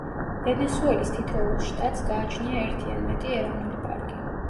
ვენესუელის თითოეულ შტატს გააჩნია ერთი ან მეტი ეროვნული პარკი.